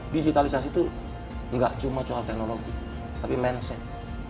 digitalisasi itu nggak cuma soal teknologi tapi mindset